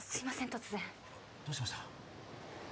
突然どうしました？